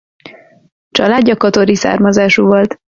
Családja kotori származású volt.